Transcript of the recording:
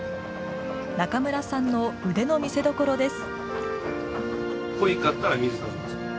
中村さんの腕の見せどころです。